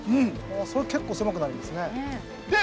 それは結構狭くなりますね。